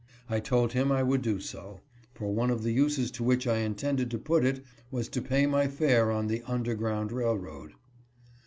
I told him I would do so, for one of the uses to which I intended to put it was to pay my fare on the " underground railroad."